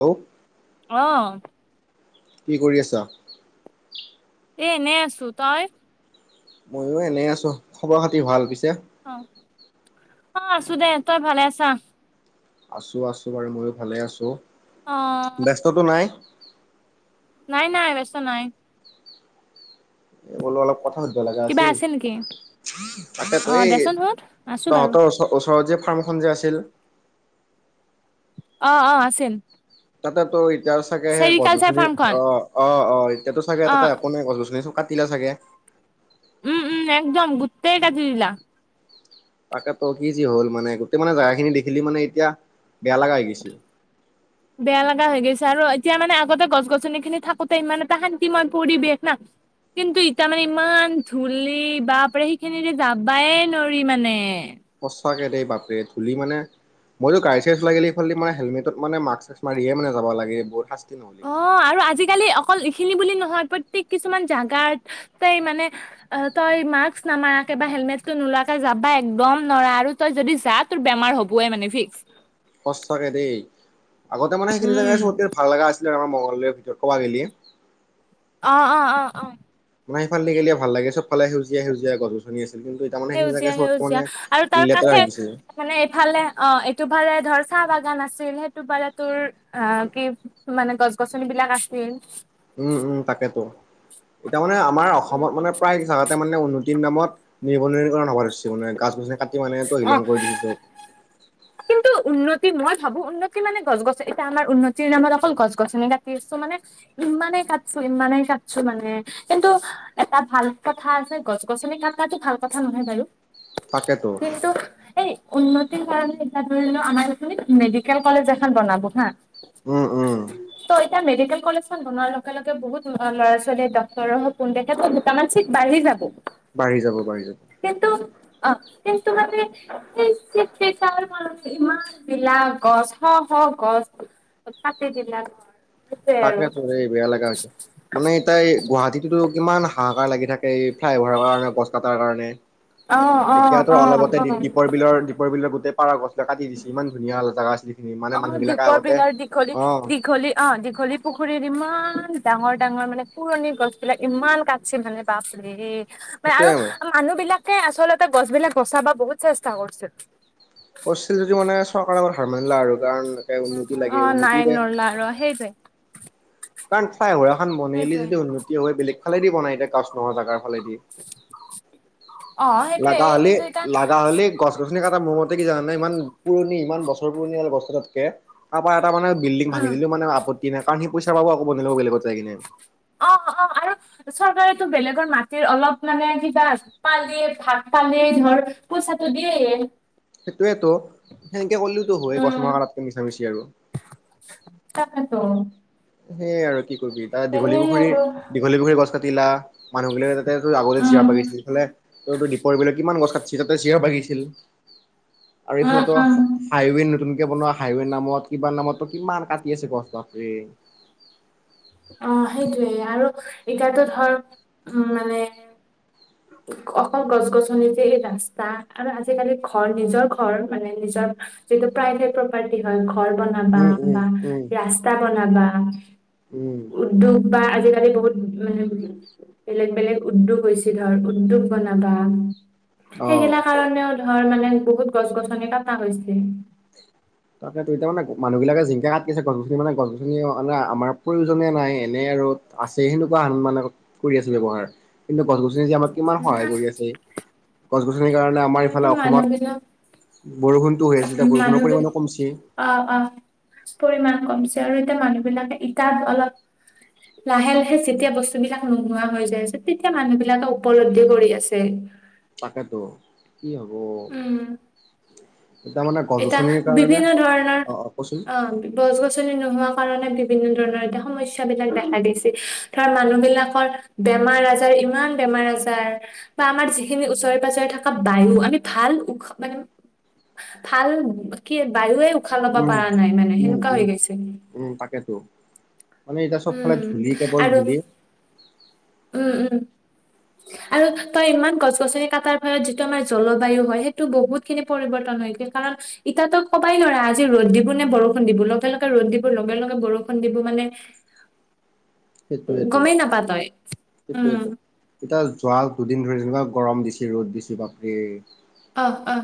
Hello আহ [inaudible] কি কৰি আছ? [unintelligible] এ এনেই আছো তই [unintelligible] মইয়ো এনেই আছো খবৰ খাতি ভাল পিছে অ-অ আছো দে তই ভালে আছা [unintelligible] আছো-আছো বাৰু ময়ো ভালে আছো অ ব্যস্ততো নাই নাই-নাই ব্যস্ত নাই। বোলো অলপ কথা সুধিব লগা কিবা আছিল আছে নেকি তাকে ত অ এই দেচোন সোধ আছো বাৰু তহঁতৰ ওচৰ-ওচৰত যে ফাৰ্ম এখন যে আছিল অ-অ আছিল। তাতে তো এতিয়া চাগে সেই চেৰিকালচাৰ গছ-গছনি ফাৰ্মখন অ-অ-অ এতিয়াতো চাগে অ তাতে একো নাই গছ-গছনি কাটিলে চাগে উম-উম একদম গোটেই কাটি দিলা। তাকেতো কি যি হ'ল মানে গোটেই মানে জেগাখিনি দেখিলি মানে এতিয়া বেয়া লগা হৈ গৈছে। [unintelligible] বেয়া লগা হৈ গৈছে আৰু এতিয়া মানে আগতে গছ-গছনিখিনি থাকোতে ইমান এটা শান্তিময় পৰিৱেশ না কিন্তু এতিয়া মানে ইমান ধূলি বাপৰে সেইখিনিৰে যাবায় নোৱাৰি মানে। সচাকৈ দেই বাপৰে ধূলি মানে মইও গাড়ী-চাড়ী চলাই গ'লে সেইফালে দি মানে হেলমেট মানে মাক্স-চাক্স মাৰিহে মানে যাব লাগে বৰ শাস্তি নহ'লি। অ আৰু আজিকালি অকল খিনি বুলি নহয় প্ৰত্যেক কিছুমান জেগাত তাই মানে তই মাস্ক নামাৰাকে বা হেলমেটটো নোলাকে যাবা একদম নোৱাৰা আৰু তই যদি যা তোৰ বেমাৰ হ'বে মানে ফিক্স সঁচাকে দেই আগতে মানে সেইখিনি জেগাই উম আতি ভাল লগা আছিলে মংগলদৈ ভিতৰত কবা গিলি অ-অ-অ-অ। আমা আইফালদি ভাল লাগে চবফালে সেউজীয়া সেউজীয়া গছ -গছনি আছে। সেউজীয়া- সেউজীয়া আৰু তাৰ লেতেৰা হৈ কাষে গৈছে মানে এইফালে অ এইটোফালে ধৰ চাহ বাগান আছিল সেইটো পাৰে তোৰ অ কি মানে গছ- গছনিবিলাক আছিল। উম উম তাকেতো, এতিয়া মানে আমাৰ উম অসমত মানে প্ৰায় জাগাতে মানে উন্ন তি নামত নিৰ্বলিকৰণ হব ধৰিছ মানে গছ- গছনি কাটি মানে অ তহিলং কৰি দিছো। কিন্তু উন্নতি মই ভাবো উন্নতি মানে গছ গছ এতিয়া আমাৰ উন্নতিৰ নামত অকল গছ গছনি কাটি আছো মানে ইমানেই কাটছো ইমানেই কাটছো মানে কিন্তু এটা ভাল কথা আছে গছ গছনি। থকাতো ভাল কথা নহয় বাৰু তাকেতো কিন্তু এই উন্নতিৰ কাৰণে। ধৰি আমাৰ মেডিকেল কলেজ এখন বনাব হা উম উম ত' এতিয়া মেডিকেল কলেজখন বনোৱাৰ লগে লগে বহুত ল'ৰা ছোৱালীয়ে ডক্টৰ হওক কোন দেখ থে দুটামান চিত বাঢ়ি যাব। বাঢ়ি যাব বাঢ়ি যাব। কিন্তু অ কিন্তু মানে সেই চিচি যাৰ ইমান পিলাক গছ শ শ গছ কাটি দিলাক সেইটোৱে আৰু তাকে বেয়া লগা হৈছে মানে এ তাই গুৱাহাটীতোতো কিমান হা কাৰ লাগি থাকে এই ফ্লাইঅভাৰৰ কাৰণে গছ কাটাৰ কাৰণে। অ অ এতিয়াতো অ অলপতে অ দ্বীপৰ বিলৰ দীপৰ বিলৰ গোটেই পাৰ গছ কাটি দিছে ইমান ধুনীয়া জেগা আছিল। সেইখিনি মানে অ মানুহবিলাকে দ্বীপৰ আগতে বিলাৰ দীঘলী অ দীঘলী অ দীঘলী পুখুৰীৰ ইমান ডাঙৰ ডাঙৰ মানে পুৰণি গছ বিলাক ইমান কাটছিল মানে বাপৰে ম সেইটোয়ে আৰু হয় মানুহ বিলাকে আচলতে গছ বিলাক বচাব বহুত চেষ্টা কৰিছিল। কৰিছিল যদি মানে চৰকাৰৰ আত হাৰ মানিলা আৰু কাৰণ এনেকে উন্নতি অ লাগে নাই উন্নতিৰে নৰলা আৰু সেইটোৱে কাৰণ ফ্লায়ভাৰ এখন বনলি সেইটোৱে যদি উন্নতি হয় বেলেগ ফালেদি বনাই এতিয়া কাছ নহয় জগাৰ ফালেদি অ সেইটোৱে লগাগ হ'লি কিন্তু এতিয়া লগা হলেি গছ গছনি কটা মোৰমত ত কি জানাই ইমান পুৰণি ইমান বছৰ পুৰণি হ গছ কতাতকে কাৰোবাৰ তটা মানে বিল্ডিং ভাঙি উম দিলেও মানে আপত্তি নাই কাৰণ সি পইচা পাব আকৌ বন লব বেলেগত যাই কিনে। অ অ আৰু চৰকাৰেতো বেলেগৰ মাটিৰ অলপ মানে কিবা পালেই ভাগ পালেই ধৰ পইচাটো দিয়ে। সেইটোয়েতো, সেনেকে কৰিলতো হয় গছ মাক তাতকে মিছা মিছি আৰু। তাকে ত। সেই আৰু কি কৰিবি তাৰ দীঘলী এনে পুখুৰীৰ আৰু দীঘলী পুখুৰী গছ কাটিলা মানুহবিলাক তাতে তোৰ আগতে জীয়ৰা উম বাগিছিল ফালে ত দীপৰবিলাক কিমান গছ কাট চিটতে চেয়াৰ বাগিছিল আৰু উম এইফালেটো উম হাইৱে নতুন বনোৱা হাইৱে নামত কিবা নামতো কিমান কাটি আছে গছ বাপৰে! অ সেইটোৱেই আৰু এতিয়াতো ধৰ উম মানে অকল গছ- গছনি যে এই ৰাস্তা আৰু আজিকালি ঘৰ নিজৰ ঘৰ মানে নিজৰ ক্ষেত্ৰত যিহেতু প্ৰায় ক্ষেত্ৰত পাৰ্টি হয়। ঘৰ বনাবা উম উম বা উম ৰাস্তা বনাবা উম। উদ্যোগ বা আজিকালি বহুত উম। বেলেগ বেলেগ উদ্যোগ হৈছে ধৰ উদ্যোগ বনাবা। অ সেইগিলা কাৰণেও ধৰ মানে বহুত গছ- গছনি কটা হৈছে। তাকে ত এতিয়া মানে মানুহবিলাকে জিংকে কাটিছে গছ- গছনি মানে গছ- গছনি মানে আমাৰ প্ৰয়োজনে নাই এনে আৰু আছে সেনেকুৱা আন মানে কৰি আছো ব্যৱহাৰ কিন্তু গছ- গছনি যে আমাক কিমান উম, সহায় কৰি আছে, গছ -গছনিৰ কাৰণে আমাৰ আৰু ইফালে এতিয়া অসমত মানুহবিলাক বৰষুণতো হৈ আছিল এ বৰষুণৰ মানুহবিলাক পৰিমানো অ অ, পৰিমান কমিছে আৰু এতিয়া মানুহবিলাকে ইটাপ অলপ লাহে লাহে যেতিয়া বস্তুবিলাক নোহোৱা হৈ যায় আছে, তেতিয়া মানুহবিলাকে উপলব্ধি কৰি আছে। তাকেতো কি হব উম এতিয়া মানে গছ এতিয়া গছনিৰ কাৰণে বিভিন্ন ধৰণৰ অ কচোন অ গছ গছনি নোহোৱা কাৰণে বি বিভিন্ন ধৰণৰ এ সমস্যা বিলাক দেখা দিছে ধৰ মানুহ বিলাকৰ বেমাৰ আজাৰ ইমান বে বমাৰ আজাৰ বা আমাৰ যিখিনি ওচৰে পাজৰে থকা বায়ু আমি ভাল উখ মানে উ ভাল কি বায়ুুৱে উশাহ লব উম পৰা নাই মানে উম সেনেকুৱা হৈ উম গৈছে। উম তাকেতো মানে এতিয়া চবফালে উম ধূলি কেৱল আৰু ধূলি উম উম। আৰু তই ইমান গছ -গছনি কাটাৰ ফলত যিটো আমাৰ জলবায়ু হয় সেইটো বহুতখিনি পৰিৱৰ্তন লৈকে কাৰণ ইতাতো কবাই নোৱাৰে আজি ৰ'দ দিব নে বৰষুণ দিব লগে লগে ৰ'দ দিব লগে লগে বৰষুণ দিব মানে [inaudible] গমেই নাপা তই? উম সেইটোৱেটো, এতিয়া যোৱা দুদিন ধৰি যেনিবা গৰম দিছ ৰ'দ দিছ বাপৰে! আহ আহ,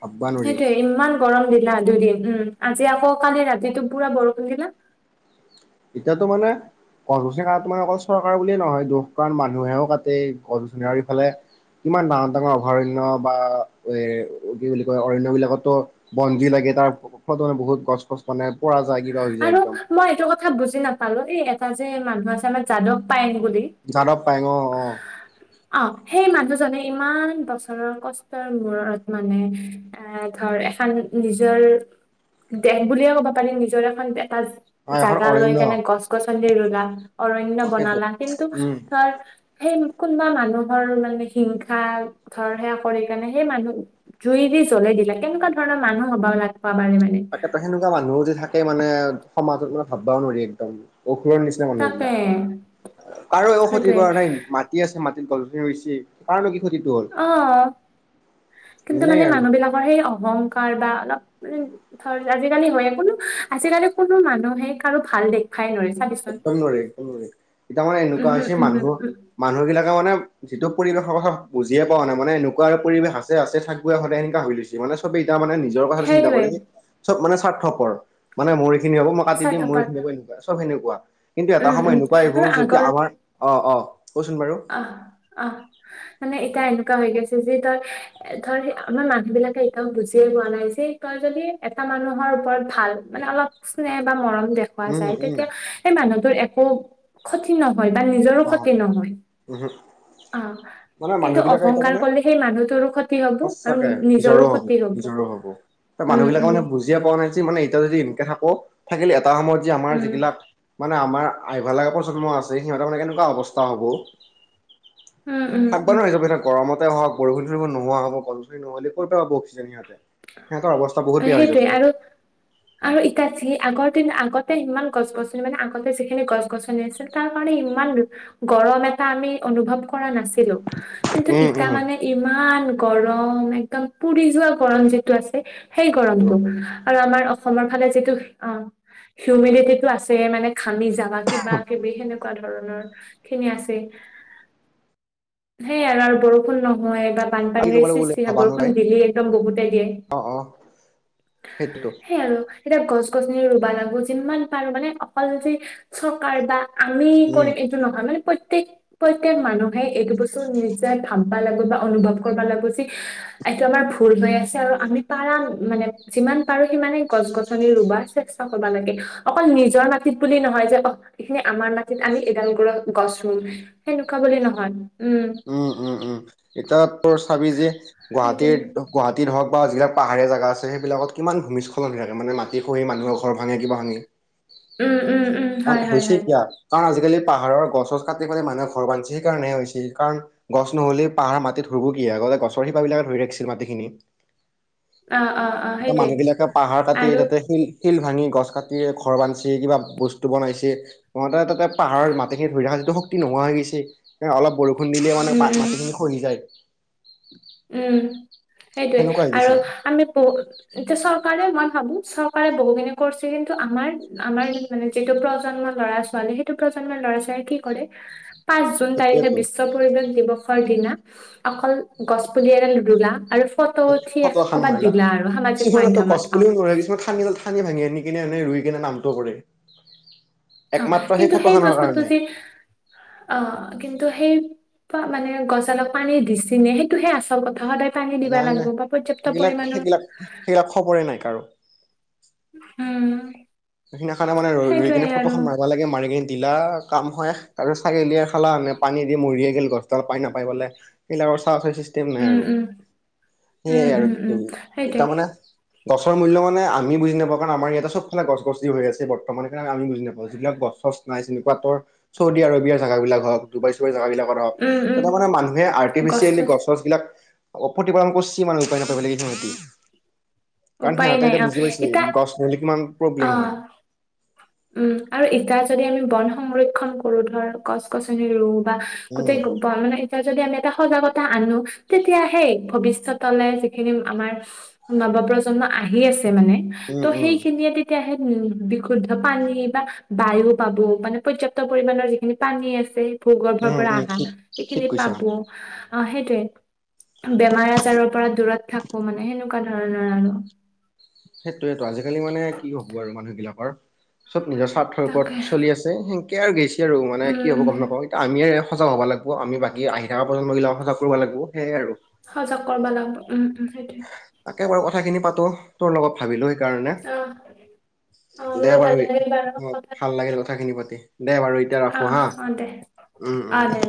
ভাববা নোৱাৰি সেইটোয়ে ইমান গৰম দিলা দুদিন উম আজি আকৌ কালি ৰাতিটো পুৰা বৰষুণ দিলে। এতিয়াতো মানে গছ গছনি কাটাটো মানে অকল চৰকাৰৰ বুলিয়ে নহয় দোষ কাৰণ মানুহেও কাটেই এই গছ- গছনি চাৰিওফালে কিমান ডাঙৰ -ডাঙৰ অভয়াৰণ্য বা এ কি বুলি কয় অৰণ্যবিলাকতো বঞ্জি লা তাৰ ফলতো মানে বহুত গছ- গছ মানে পৰা যায় কিবা হৈ যায় আৰু একদম। মই এইটো কথা বুজি নাপালো এই এটা যে মানুহ আছে আমাৰ যাদৱ পাইং বুলি, যাদৱ পায়েং অ অ আ সেই মানুহজনে ইমান বছৰৰ কষ্টৰ মূৰত মানে এ ধৰ এখন নিজৰ দেশ বুলিয়ে ক'ব পাৰিম, নিজৰ এখন দেশ এটা অ এখন জাগা লৈ অৰণ্য কেনে গছ -গছনি ৰুলা, অৰণ্য তাকেতো বনালা কিন্তু উম ধাৰ সেই কোনোবা মানুহৰ মানে হিংসা ধৰ, সেয়া কৰি কাৰণে সেই মানুহ জুই দি জ্বলে কেনেকুৱ ধৰ মানুহ হবাব লাগে তাকে ত সেনেকুৱা মানুহো যে থাকে মানে সমাজত মানে ভাববাও নোৱাৰি একদম অসুৰৰ নিচিনা মানুহ তাকে এইগিলাক কাৰো এক ক্ষতি সেইটোয়ে কৰা নাই মাটি আছে ম- গল হে হৈছে কাৰলৈকে অ কিন্তু এনেই মানে আৰু মানুহ বিলাকৰ সেই অহংকাৰ বা অলপ মান ধৰ আজিকালি হয় কোনো আজিকালি কোনো মানুহে কাৰো ভাল দেখ ভাল একদম নোৱাৰি তামানে উম এনেকুৱা হম হৈছে উম মানুহ হম উম মানুহ বিলাকে মানে যিটো পৰিৱেশৰ কথা বুজিয়ে পা নাই মানে এনেকুৱা আৰু পৰিৱেশ আছে আছে থাকব সতে এনেকুৱা হৈ লৈছে মানে চবেই এতিয়া মানে নিজৰ কথাটো চিন্তা সেইটোৱে কৰি চব মানে স্বাৰ্থপৰ মানে মৰি- খিনি হব মই কাটি দিম মৰে স্বাৰ্থপৰ খিনি হব এনেকুৱা চব সেনেকুৱা কিন্তু এটা উম সময় উম এনেকুৱা আৰু আহিবোৰ যেতিয়া আগৰ আমাৰ অ অ কচোন বাৰু আহ অ মানে এটাই এ হৈ গৈছে যে তই ধৰ আমাৰ মানুহ বিলাকে এতিয়াও বুজিয়ে পোৱা নাই যে তই যদি এটা মানুহৰ ওপৰত ভাল মানে অলপ স্নেহ বা মৰম দেখুুৱা উম যায় উম তেতিয়া সেই মানুহটোৰ একো ক্ষতি নহয় বা নিজৰো ক্ষতি নহয়। নহ অ কিন্তু অহংকাৰ কলে সেই মানুহটোৰো ক্ষতি হব আৰু সঁচাকে নিজৰো ক্ষতি হব ত মানুহ উম বিলাক উম মানে বুজিয়ে পোৱা নাই যে মানে এতিয়া যদি থাকো থাকিলে এটা সময়ত যে আমাৰ উম যিবিলাক মানে আমাৰ আইভ লগা প্ৰজন্ম আছে সিহঁতৰ মানে অৱস্থা হ'ব উম উম উম ভাবিবানো আহি যাব এ গৰমত বৰষণ চৰষুণ নোহোৱা হব বৰচী নহ'লে ক পাব অক্সিজেন সিহতে সেইটোৱে আৰু আৰু ইতিয়া যি আগত আগতে ইমান গছ গছনি মানে আগতে যিখিনি গছ গছনি আছিল তাৰ কাৰণে ইমান গৰমে এটা আমি অনুভৱ কৰা নাছিলো কিন্তু উম ইত উম মানে ইমান গৰম একদম পুৰি যোৱা গৰম যে। আছে সেই গৰমটো আৰু আমাৰ। অসমৰ ফালে যিটো অ হিউমিডিটিটো আছে মানে খামি যাবা কিবা কিবি সেনেকুৱা। এনেকুৱা ধৰণৰ খিনি আছে সেইয় আৰু বৰষুণ নহয়। বা কি বানপানীৰে ক'ব লাগিব বোলে সৃষ্টি হয় ভাবা বৰষুণ নাই দিলি একদম বহুতে দিয়ে। অ অ সেইটোতো সেই আৰু এতিয়া গছ গছনি ৰুবা লাগিব যিমান পাৰো মানে অকল যে চকাৰ বা আমি উম কৰিম এইটো নহয় মানে প্ৰত্যে প্ৰত্যেক প্ৰত্যেক মানুহে এইটো বস্তু নিজে ভাববা লাগে বা অনুভৱ কৰিবা লাগিব যে এইটো আমাৰ ভুল হৈ আছে আৰু আমি পাৰ মানে যিমান পাৰো সিমানে গছ গছনি ৰুব চেষ্টা কৰিবা লাগে অকল নিজৰ নাচিত বুলি নহয় যে অ এইখিনি আমাৰ মাটিত আমি এডাল গডত গছ ৰুম সেনেকুৱা বুলি নহয় উম উম উম এতিয়া ত চাবি যে গুৱাহাটীৰ সেইটোৱে গুৱাহাটীত হওক বা যিবিলাক পাহাৰীয়া জাগা আছে সেইবিলাকত কিমান ভূমিস্খলন হৈ আছে মানে মাটি খহি মানুহৰ ঘৰ ভাঙি কিবা ভাঙি [unintelligible] উম উম উম অ হয় হয় হৈছে হয় কিয় কাৰণ আজিকালি পাহাৰৰ গছ গছ কাটি পাললে মানুহে ঘৰ বান্ধি সেইকাৰণে হৈছিল কাৰণ গছ নহ'লে পাহাৰৰ মাটিত ধৰিবহি আও তলতে গছৰ শিপাবিলাকত ধৰি ৰাখিছিল মাটিখিনি অ অ অ এ সেইটোৱে মানুহ বিলাকে পাহাৰ কাটি আৰু তাতে শিল শিল ভাঙি গছ কাটি ঘৰ বান্ধি কিবা বস্তু বনাইছে মতে পাহাৰৰ মাটি খিনি ধৰি ৰাখা যিটো শক্তি নোহোৱা হৈ গৈছে অলপ বৰষুণ খুন্দিলে মানে উম উম মাটিখিনি খহি যায় উম সেইটোৱে সেনেকুৱা হৈ আৰু গৈছে। আমি বহু এতিয়া চৰকাৰে মই ভাবো চৰকাৰে বহুখিনি কৰিছে কিন্তু আমাৰ আমাৰ মানে যিটো প্ৰজন্ম ল'ৰা ছোৱালী সেইটো কাৰণে। লৰা চাই কি কৰে। পাঁচ জুন তাৰিখে সেইটোৱেতো। বিশ্ব পৰিৱেশ দিৱসৰ দিনা অকল। গছপুলি এডাল ৰুলা আৰু। ফটো উঠি ফটো এখন ক'বাত মাৰিলা দিলা আৰু সামাজিক কিহমানো মাধ্যমত অ গছপুলিও নোৱাৰ কিছুমান নিডাল ঠানি ভাঙি। কিনে এনে ৰুই কিনে নামটো কৰে। অ একমাত্ৰ কিন্তু সেই ফটোখনৰ বস্তুটো কাৰণে যে অ কিন্তু। টো সেই মানে গছালপ পানী দিছি নে সেইটোহে আচল কথা সদায়। টানি দিবা নাই নাই লাগিব বা পৰ্যপ্ত সেইবিলাক পৰিমাণৰ। সেইবিলাক সেইবিলাক খবৰে নাই কাৰো উম। সেই সিনা খানে মানে ৰই সেইটোৱে কিনে আৰু ফটোখন মাৰিব লাগে মাৰি কিনে। লা কাম হয় তাৰপিছ ছাগলীয়ে খালা মে পানী দি মৰিয়ে গ' গছডাল পানী নাপাই পলৈ সিলা। চাফে চিষ্টেম নাই উম আৰু। উম উম, সেইয়াই আৰু উম, কি উম, কৰি এ সেইটোৱে। তাৰ মানে গছৰ মূল্য মানে আমি বুজি নাপাওঁ। কাৰণ আৰু ইয়াতে চব ফেছ। হৈ আছে ব্তমান স আমি বুজি নাপাওঁ যিবিলাক গছ চছ নাই চনেকুৱা তৰ চৌদি আৰবিয়াৰ জেগাব বিলাক হওক। ডুবাই চুবাই জোগা বিলাকৰ হওক উম, উম, তাাৰ মানে মানুহে আৰ্টিফিচিয়েলি গছ-চছ গছ গছ বিলাক। অপতিপালন কৰছ মানে উপায় ন কি নহ। কাৰণ উপায় সিহঁতে নাই এতিয়া অ', বুজি এতিয়া পাইছে গছ নলে কিমান প্ৰব্লেম অ', হয়। উম আৰু ইতিয়া যদি আমি বন সংৰক্ষন কৰো ধৰ গছ গছনি ৰোগ। বা গোটেই উম মানে এতিয়া যদি আমি। এটা সজাগতা আনো তেতিয়া সেই ভৱিষ্যতলে যিখিনি আমাৰ নৱ প্ৰজন্ম। আহি আছে মানে উম ত উম সেই খিনিয়ে তেতিয়াহে। পানী বা বায়ু পাব মানে পৰ্যাপ্ত পৰিমাণৰ যিখিনি পানী আছে। ভূগৰ্ভৰ উম পৰা উম আহা ঠিক ঠিক সেইখিনি কৈছা পাবো আহ সেইটোয়ে। বেমাৰ আজাৰৰ পৰা দূৰত থাকিব মানে সেনেকুৱা ধৰণৰ আৰু। সেইটোয়েটো আজিকালি মানে কি হব আৰু মানুহ বিলাকৰ। চব নিজৰ স্বাৰ্থৰ তাকে ওপৰত চলি আছে সেনকে আৰু গেছে আৰু মানে কি উম হ'ব গম নাপাওঁ এতিয়া আমিয়ে। সজাগ হ'ব লাগিব আমি বাকী আহি থকা প্ৰজন্মগিলাও সজাগ কৰিবলাগিব সেয়ে আৰু। সজাগ কৰিবা লাগিব উম উম সেইটোৱে। একেবাৰ কথা খিনি পাতো তোৰ লগত ভাবি লৈ। কাৰণে অ অ দে মোৰো ভাল বাৰু লাগিল বাৰু কথা ভাল লাগিল পাতি। কথাখিনি পাতি। দে বাৰু এতিয়া ৰাখোঁ হা আহ অ দে উম উম দে।